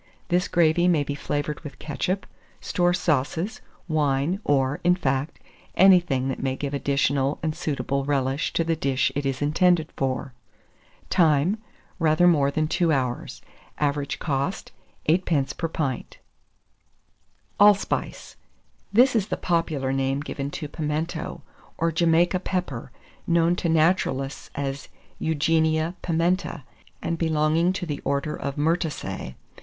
This gravy may be flavoured with ketchup, store sauces, wine, or, in fact, anything that may give additional and suitable relish to the dish it is intended for. Time. Rather more than 2 hours. Average cost, 8d. per pint. [Illustration: PIMENTO.] ALLSPICE. This is the popular name given to pimento, or Jamaica pepper, known to naturalists as Eugenia pimenta, and belonging to the order of Myrtaceae.